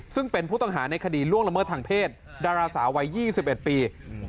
ซึ่งเป็นผู้ต้องหาในคดีล่วงละเมิดทางเพศดาราสาววัย๒๑ปี